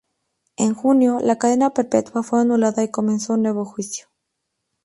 En junio, la cadena perpetua fue anulada y comenzó un nuevo juicio.